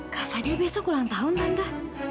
kak fadil besok ulang tahun tante